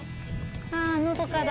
あのどかだ。